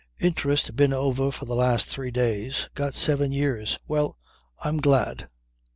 Interest been over for the last three days. Got seven years. Well, I am glad."